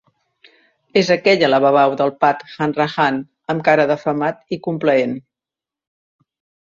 És aquella la babau del Pat Hanrahan amb cara d'afamat i complaent.